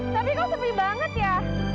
tapi kok sepi banget ya